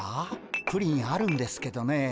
プリンあるんですけどねえ。